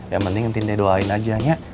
yang penting tintin doain aja